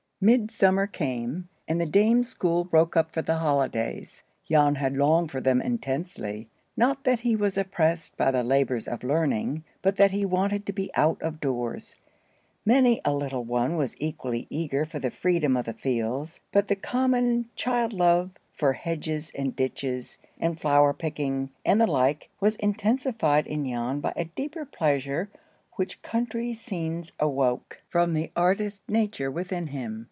MIDSUMMER came, and the Dame's school broke up for the holidays. Jan had longed for them intensely. Not that he was oppressed by the labors of learning, but that he wanted to be out of doors. Many a little one was equally eager for the freedom of the fields, but the common child love for hedges and ditches, and flower picking, and the like, was intensified in Jan by a deeper pleasure which country scenes awoke from the artist nature within him.